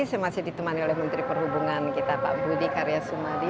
saya masih ditemani oleh menteri perhubungan kita pak budi karya sumadi